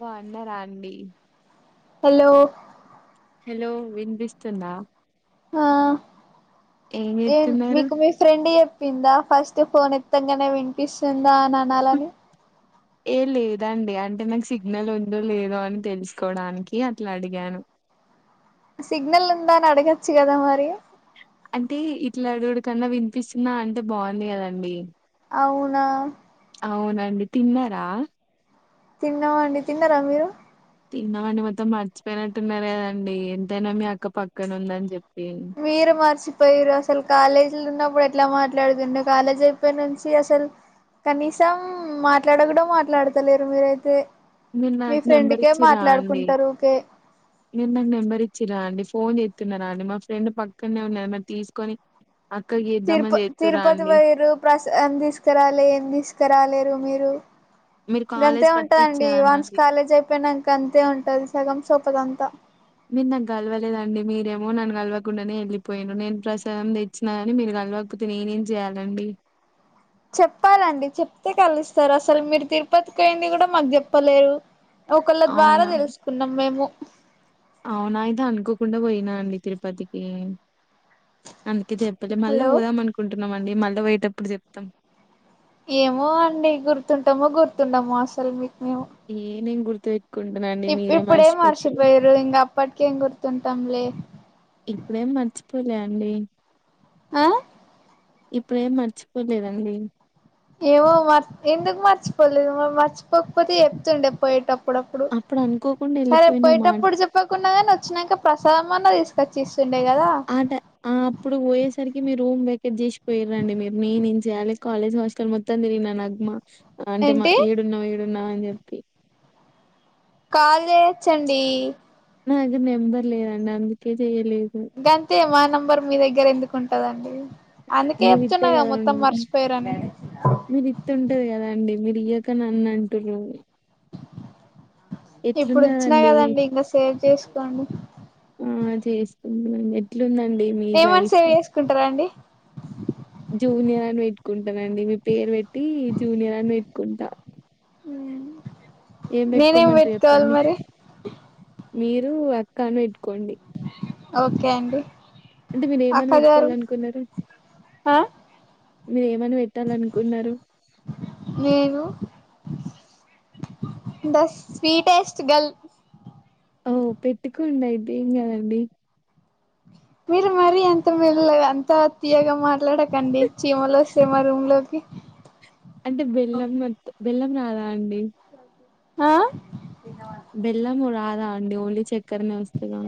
బాగున్నారండి hello hello వినిపిస్తుందా ఆ ఏం మీకు మీ ఫ్రెండ్ చెప్పిందా ఫస్ట్ ఫోన్ ఎత్తంగానే వినిపిస్తుందా అని అనాలని ఏ లేదండి అంటే నాకు సిగ్నల్ ఉందో లేదో అని తెలుసుకోడానికి అట్లా అడిగాను సిగ్నల్ ఉందా అని అడగచ్చు కదా మరి అంటే ఇట్లా అడుగుడు కన్నా వినిపిస్తుందా అంటే బాగుంది కదండి అవునా అవునండి తిన్నారా తిన్నామండి తిన్నారా మీరు తిన్నమండి మొత్తం మర్చిపోయినట్టున్నారు కదండి ఎంతైనా మీ అక్క పక్కన ఉందని చెప్పి మీరు మర్చిపోర్రు అసలు కాలేజీలో ఉన్నప్పుడు ఎట్లా మాట్లాడుతుండే కాలేజ్ అయిపోయి నుంచి అసలు కనీసం మాట్లాడకుడ మాట్లాడతలేరు మీరైతే మీరు మీ నాకు నెంబర్ ఫ్రెండ్కే ఇచ్చిరా అండి మాట్లాడుకుంటారు ఊకే మీరు నాకు నెంబర్ ఇచ్చరా అండి ఫోన్ చేస్తున్నారా అండి మా ఫ్రెండ్ పక్కనే ఉన్నారు మరి తీసుకొని అక్కకి తిరుప చేద్దామని చేత్తురా తిరుపతి అండి పోయిర్రు ప్రసాదం తీసుకురాలే ఏం తీసుకురాలేరు మీరు మీరు గంతే కాలేజ్ కత్తి ఉంటదండి వన్స్ ఇచ్చారనండి కాలేజ్ అయిపోయినాక అంతే ఉంటంది సగం సోపతి అంతా మీరు నాకు గలవలేదండి మీరేమో నన్ను గలవకుండానే వెళ్ళిపోయినిల్లు నేను ప్రసాదం తెచ్చిన కాని మీరు కలవకపోతే నేనేం చేయాలండి చెప్పాలండి చెప్తే కలుస్తారు అసలు మీరు తిరుపతికి పోయింది కూడా మాకు చెప్పలేరు ఒకళ్ళ ద్వారా అవునా తెలుసుకున్నాం మేము అవునా అయితే అనుకోకుండా పోయినాండి తిరుపతికి అందుకే చెప్పాలె మళ్ళా హలో పోదాం అనుకుంటున్నాం అండి మళ్ళీ పోయేటప్పుడు చెప్తాం ఏమో అండి గుర్తుంటామో గుర్తుండమో అసలు మీకు మేము ఏ నేను గుర్తు పెట్టుకుంటునండి ఇప్ మీరే ఇప్పుడేం మర్చిపోతరు మర్చిపోయారు ఇంగ అప్పటికేం గుర్తుంటాంలే ఇప్పుడేం మర్చిపోలే అండి ఆ ఇప్పుడే మర్చిపోలేదండి ఏమో మర్ ఎందుకు మర్చిపోలేదు మరి మర్చిపోకపోతే చెప్తుండే పోయేటప్పుడు అప్పుడప్పుడు అప్పుడు అనుకోకుండా సరే వెళ్ళిపోయినామా పోయేటప్పుడు చెప్పుకున్న గాని వచ్చినాక్క ప్రసాదం అన్నా తీసుకొచ్చి ఇస్తుండే కదా అంటే ఆ అప్పుడు పోయేసరికి మీరు రూమ్ వెకెట్ చేసి పోయిరండి మీరు నేను ఏం చేయాలి కాలేజ్ హాస్టల్ మొత్తం తిరిగినా నగ్మా అంటే మా ఏంటి ఏడున్నావ్ ఏడున్నావ్ అని చెప్పి కాల్ చేయచ్చండి నాదగ్గర నెంబర్లేదండి అందుకే చెయలేదు గంతే మా నెంబర్ మీ దగ్గర ఎందుకు ఉంటదండి అందుకే మీరు చెప్తున్నా ఇత్తే కదా మొత్తం ఉం- మర్చిపోయర్రు అని మీరు ఇత్తుంటది కదా అండి మీరు ఇయ్వక న్నానుంటున్రు ఇప్పుడు ఇచ్చినా ఎట్లున్నదండి కదండి ఇంకా సేవ్ చేసుకోండి ఆ చేసుకుంటాం ఎట్లుందండి మీ ఏమనీ లైఫ్ సేవ్ చేసుకుంటారండి జూనియర్ అని పెట్టుకుంటానండి మీ పేరు పెట్టి జూనియర్ అని పెట్టుకుంటా ఏం నేనేం పెట్టుకోమంటారు పెట్టుకోవాలి చెప్పండి మరి మీరు అక్క అని పెట్టుకోండి ఓకే అండి అంటే మీరు ఏమని అక్కగారు పెట్టుకోవాలి అనుకున్నారు ఆ మీరు ఏమని పెట్టాలనుకున్నారు నేను ద స్వీటెస్ట్ గల్ ఓ పెట్టుకోండి అయితే ఏం కదండి మీరు మరి అంత మెల్లగా అంత తీయగా మాట్లాడకండి చీమలోస్తే మా రూమ్ లోకి అంటే బెల్లం బెల్లం రాదా అండి ఆ బెల్లము రాదా అండి ఓన్లీ చక్కరనే వస్తదా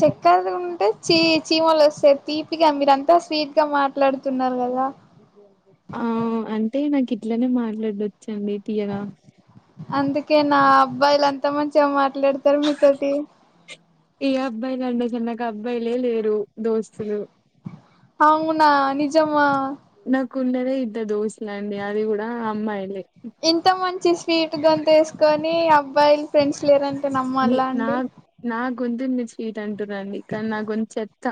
చక్కరది ఉంటే చీ చీమలు వస్తాయి తీపిగా మీరంతా స్వీట్ గా మాట్లాడుతున్నారు కదా ఆ అంటే నాకు ఇట్లనే మాట్లాడొచ్చండి తీయగా అందుకే నా అబ్బాయిలు అంతా మంచిగా మాట్లాడతారు మీతోటి. ఏ అబ్బాయిలండి అసలు నాకు అబ్బాయిలే లేరు దోస్తులు అవునా నిజమా? నాకు ఉన్నదే ఇద్దరు దోస్తులేండిఅది కూడా అమ్మాయిలే. ఇంత మంచి స్వీట్ గొంతు ఏసుకొని అబ్బాయిలు ఫ్రెండ్స్ లేరని మీ నా నా గొంతు మీ చీట్ అంటున్నాండి కానీ నా గొంతు చెత్త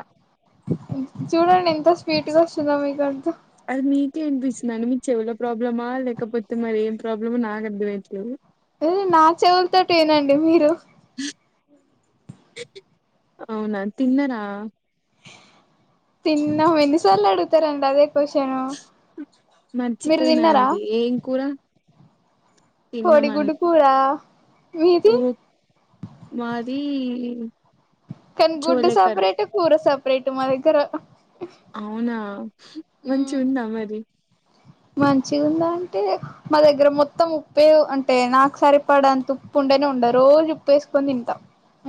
చూడండి ఎంత స్వీట్గా వస్తుందొ మీ గొంతు అది మీకే ఇనిపిస్తుదండి మీ చెవుల ప్రాబ్లమా, లేకపోతే మరి ఏం ప్రాబ్లమో నాకు అర్థమయట్లేదు. ఎ నా చెవులతోటి ఈనండి మీరు అవునా తిన్నరా? తిన్నాం ఎన్నిసార్లు అడుగుతారండి అదే క్వశ్చను మీరు మర్చిపోయినా తిన్నారా? అండి ఏం కూరా? కోడిగుడ్డు కూరా ఉనద్ మాది కానీ గుడ్డు చోలే కర్రీ సెపరేట్, కూర సెపరేట్ మా దగ్గర అహ్ అవునా మంచి ఉందా మరి? మంచి ఉందా అంటే? మా దగ్గర మొత్తం ఉప్పె అంటే నాకు సారి పడంత ఉప్పు ఉండేనే ఉండ రోజు ఉప్పు వేసుకొని తింటాం.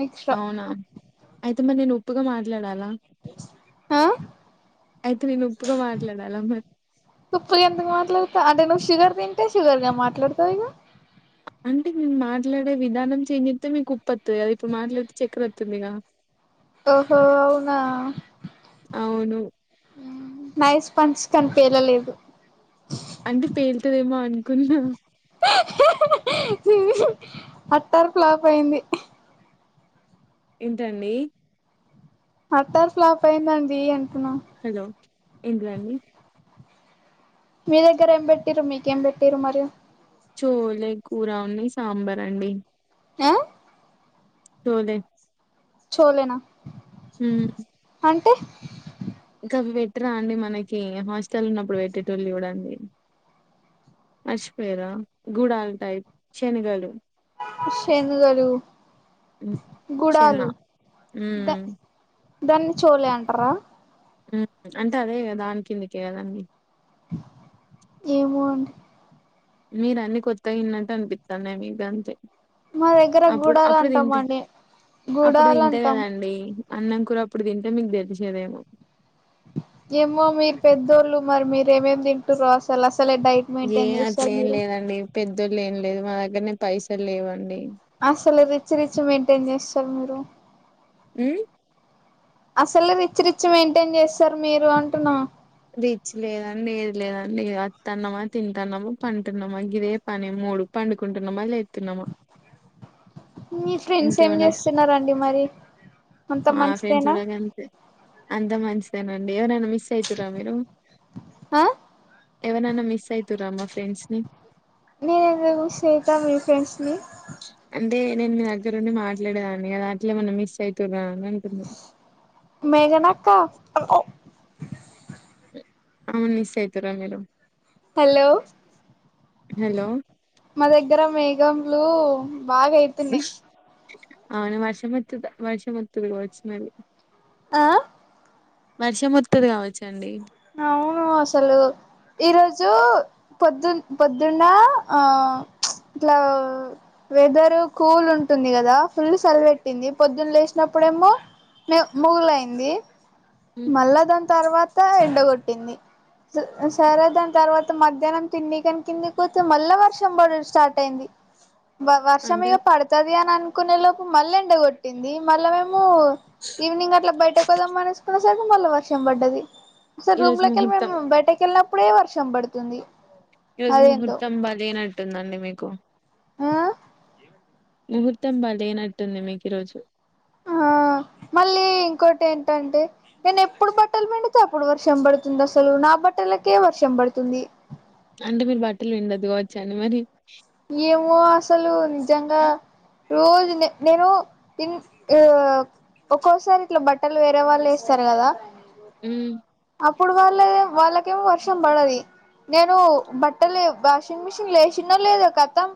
ఎక్స్ట్రా అవునా అయితే మరి నేను ఉప్పుగా మాట్లాడాలా ఆ అయితే నేను ఉప్పుగా మాట్లాడాలమ్మా ఉప్పుగా ఎందుకు మాట్లాడతా అంటే నువ్వు షుగర్ తింటే షుగర్ గా మాట్లాడతావు ఇగ అంటే నేను మాట్లాడే విధానం చేంజ్ అయితే మీకు కుప్పొత్తది కద ఇప్పుడు మాట్లాడితే చక్కెర వతుందిగా ఓహో అవునా అవును నైస్ స్పంచ్ కని పేలలేదు అంటే పేలుతదేమో అనుకున్నా హ్హ్హ్హ్ హుహ్ అట్టార్ ఫ్లాప్ అయింది. ఏంటండి? అత్తర్ ఫ్లాప్ అయిందండి అంటున్నా హలో ఇంద్రా అండి మీ దగ్గర ఏం పెట్టిరు, మీకేం పెట్టిరు మరి? చోలే కూర ఉంది సాంబార్ అండి ఆ తోలే చోలేనా హు అంటే? ఇంకా అవి పెట్టరా అండి మనకి హాస్టల్ ఉన్నప్పుడు పెట్టేటోళ్ళు చూడండి. మర్చిపోయరా గుడాల టైప్ శనిగలు శనుగలు చెన్న గుడాలు గ ఉమ్ దాన్ని చోలే అంటరా? ఉహు అంటే అదేగ దాని కిందుకే అదండి ఏమో అండి మీరు అన్ని కొత్తగా విన్నట్టు అనిపిత్తన్నాయి మీద అంతే మా దగ్గర అప్పుడు గుడాలు అప్పుడు అంటాం తింటే అండి అప్పుడు గుడాలు తింటే అంటాం కదాండి. అన్నం కూరా అప్పుడు తింటే మీకు దేలిచేదేమో ఏమో మీరు పెద్దోళ్ళు మరి మీర ఏమేమి తింటార అసలు అసలే డైట్ ఏ మెయింటైన్ చేస్తారు అట్లేం ఏం మీరు లేదండి పెద్దోళ్ళ ఏం లేదు మా దగ్గరనే పైసలు లేవండి అసలు రిచ్ రిచ్ మెయింటైన్ చేస్తారు మీరు హు అసలు రిచ్ రిచ్ మెయింటైన్ చేస్తారు మీరు అంటున్నా రిచ్ లేదండి ఏది లేదండి వస్తున్నామా తింటాన్నామా పంటున్నామా గిదే పని మూడు పండుకుంటున్నామా లేతున్నామా మీ ఫ్రెండ్స్ ఏం ఇంకేమన్నా చేస్తున్నారండి మరి అంత మా ఫ్రెండ్స్ మంచిదేనా కూడా గంతే అంత మంచిదేనండి ఎవరైనా మిస్ అయితురా మీరు ఆ ఎవరన్నా మిస్ అయితురా మా ఫ్రెండ్స్ ని నేను ఎందుకు మిస్ అయితా మీ ఫ్రెండ్స్ ని అంటే నేను మీ దగ్గరుండి మాట్లాడేదాన్ని అట్ల ఏమన్నా మిస్ ఐయితురా అని అంటున్న మేఘనాక్క ఆమెను మిస్ ఐయితుర మీరు హలో హలో మా దగ్గర మేఘంలు బాగా అయితున్నాయి అవును వర్ష వత్తది వర్షం వత్తది కావచ్చు మరి ఆ వర్ష వత్తది కావచ్చండి అవును అసలు ఈరోజు పొద్దున్ పొద్దున్న ఆ ఇట్లా వెదరు కూల్ ఉంటుంది కదా ఫుల్ సెలవెట్టింది పొద్దున్న లేసినప్పుడేమో లేవు మూలలైయ్యిది మళ్ళా దాని తర్వాత ఎండగొట్టింది సరే దాని తర్వాత మధ్యాహ్నం తిన్నీకి తిన్నికి మళ్ళా వర్షం పడుడు స్టార్ట్ అయింది బా వర్షం అంటే ఇక పడుతది అని అనుకునే లోపు మళ్ళ ఎండగొట్టింది మళ్ళ వేమో ఈవినింగ్ అట్లా బయటకు పోదాం అనేసుకున్న సరకి మళ్ళా వర్షం పడ్డది సరే రూమ్ ఈరోజు లోకి వెళ్లి ముహూర్తం మేము బయటకి వెళ్ళినప్పుడే వర్షం పడుతుంది ఈ రోజు అదేందో ముహూర్తం బలేనట్టుందండి మీకు హ ముహూర్తం బాలేనట్టుంది మీకు ఈ రోజు ఆ మళ్ళీ ఇంకోటెటంటే నేను ఎప్పుడు బట్టలు పిండితే అప్పుడు వర్షం పడుతుంది అసలు నా బట్టలకే వర్షం పడుతుంది అంటే మీరు బట్టలు విండొదు కావచ్చా అని మరి ఏమో అసలు నిజంగా రోజు ఉండే నేను ఇన్ యో ఆ ఒక్కోసారి ఇట్లా బట్టలు వేరే వాళ్ళు వేస్తారు కదా ఉమ్, అప్ ఇప్పుడు వాళ్లే వాళ్ళకేమో వర్షం పడది నేను బట్టలు వాషింగ్ మిషిన్లో ఎసినో లేదో కతం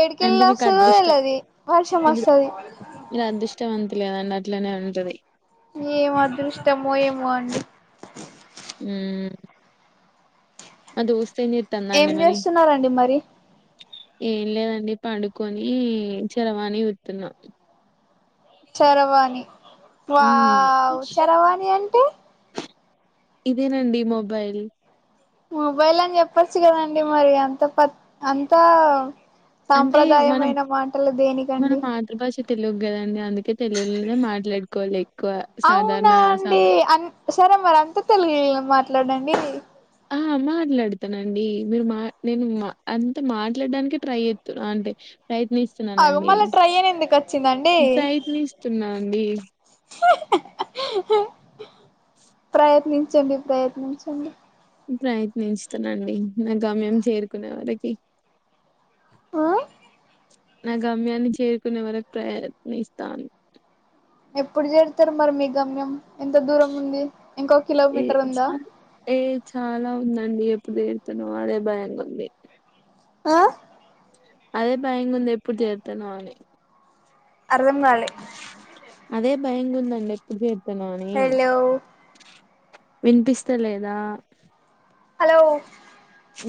ఏడుకెళ్ళ అంటే మీకు వస్తుందో అదృష్టం తెళది వర్షం వస్తుది మీది అదృష్టవంతులే అట్లనే ఉంటది ఏం అదృష్టమో ఏమో అండి ఉమ్ అ దోస్త్ ఏం ఏం చేత్తందండీ మరి చేస్తున్నారండి మరి ఏం లేదండి పండుకొని చరవాణి చూస్తున చరవాణి మ్మ్ వావ్ చరవాణి అంటే ఇదేనండి మొబైల్ మొబైల్ అని చెప్పచ్చు కదండి మరి అంత ప అంతా అంటే మన సాంప్రదాయమైన మాటలు మన దేనికండి మాతృభాష తెలుగు కదండి అందుకే తెలుగులోనే మాట్లాడుకోవాలి ఎక్కువ సాధారణ అవునా స అండి అన్ సరే మరి అంత తెలుగే మాట్లాడండి ఆ మాట్లాడతానండి మీరు మా నేను మా అంత మాట్లాడడానికే ట్రై చేస్తుాన్నా అంటే అగో ప్రయత్నిస్తున్నానండి మళ్ళ ట్రై అని ఎందుకు వచ్చిందండి ప్రయత్నిస్తున్నా అండి ప్రయత్నించండి ప్రయత్నించండి ప్రయత్నించుతానండి నా గమ్యం చేరుకునే వరకి ఆ నా గమ్యాన్ని చేరుకునే వరకు ప్రయత్నిస్తాను ఎప్పుడు చేరుతారు మరి మీ గమ్యం ఎంత దూరం ఉంది ఇంకొ ఏ కిలోమీటర్ ఉందా ఏ చాలా ఉందండి ఎప్పుడు తీరుతనో అదే భయంగుంది ఆ అదే భైంగా ఉంది ఎప్పుడు చేరుతున్నా అని అర్థం కాలే అదే భయంగా ఉందండి ఎప్పుడు చేరుతనొ అని హలో వినిపిస్తా లేదా హలో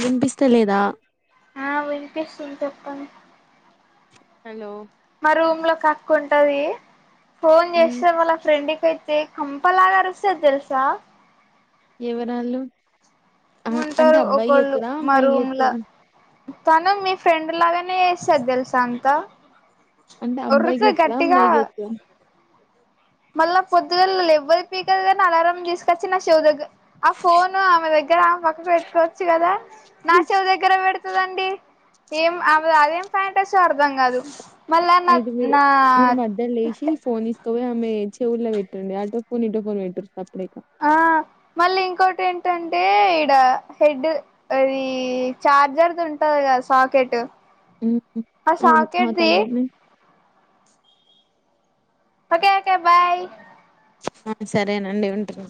వినిపిస్త లేదా ఆ వినిపిస్తుంది చెప్పండి హలో మా రూమ్ లో ఒకక్క ఉంటది ఫోన్ ఉమ్ చేస్తే మళ్ళ ఫ్రెండ్కియి ఎ కంపలాగా అరుస్తది తెలుసా ఎవరాళ్ళు ఆ అంటే ఉంటారు అబ్బాయి ఒకళ్ళు చేత్తదా మా అమ్మాయి రూమ్ లా చేత్తదా తను మీ ఫ్రెండ్ లాగానే ఏస్తారు తెలుసా అంత అంటే అబ్బాయి ఉరుకు చేత్తదా గట్టిగా అమ్మాయి చేత్తదా మళ్ళా పొద్దుగాళ్ళ ఎవ్వరి పీకదు కానీ అలారం తీసుకొచ్చి నా చెవుదగ్గర ఆ ఫోను ఆమె దగ్గర ఆమె పక్కకు పెట్టుకోవచ్చు కదా నా చెవు దగ్గర పెడుతు పెడుత దండి ఏం ఆమెది అదేం ఫాంటసీయో అర్ధం కాదు మళ్ళా నా అయితే మీరు నా మీరు మధ్యలో లేసిఫోన్ ఇస్త అక్కవే ఆమె చెవుళ్లో పెట్టిండి ఆటో ఫోన్ ఇటో ఫోన్ పెట్టిరు సప్పుడేకా ఆ మళ్ళీ ఇంకోటి ఏంటంటే ఇడ హెడ్ అది చార్జర్ది ఉంటది కదా సాకెట్ ఉమ్ అ అది సాకెట్ ది అవతల విని ఓకే ఓకే బాయ్ ఆ సరేనండి ఉంటను